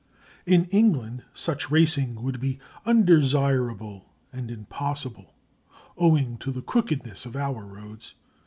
In England such racing would be undesirable and impossible, owing to the crookedness of our roads.